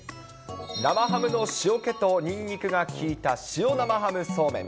生ハムの塩気とにんにくが効いた塩生ハムそうめん。